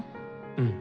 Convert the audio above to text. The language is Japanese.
うん。